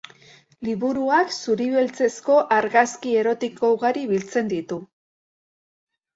Liburuak zuri-beltzezko argazki erotiko ugari biltzen ditu.